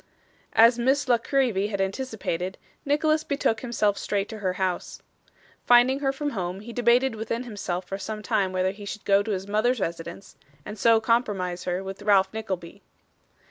As Miss La Creevy had anticipated, Nicholas betook himself straight to her house. Finding her from home, he debated within himself for some time whether he should go to his mother's residence, and so compromise her with Ralph Nickleby.